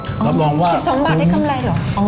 รับรองว่า๑๒บาทได้กำไรเหรอ